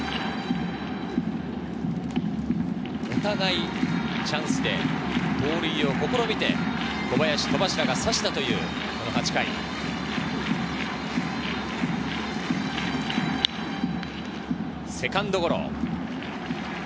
お互いチャンスで盗塁を試みて小林と戸柱が刺した８回、セカンドゴロ。